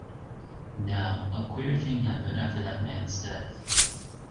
Now, a queer thing happened after that man's death.